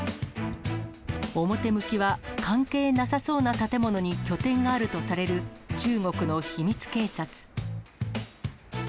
表向きは関係なさそうな建物に拠点があるとされる中国の秘密警察。